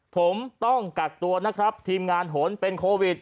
ผมต้องกักตัวนะครับทีมงานหนเป็นโควิด